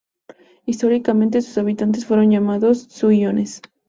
Históricamente, sus habitantes fueron llamados suiones.